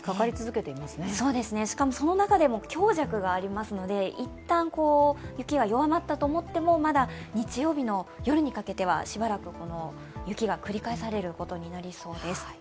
しかも、その中でも強弱がありますので、一旦雪が弱まったと思ってもまだ日曜日の夜にかけてはしばらく雪が繰り返されることになりそうです。